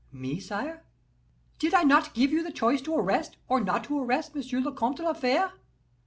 "Me, sire?" "Did I not give you the choice to arrest, or not to arrest M. le Comte de la Fere?"